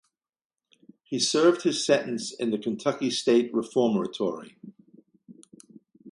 He served his sentence in the Kentucky State Reformatory.